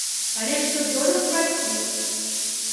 Але ж ты здолеў прайсці.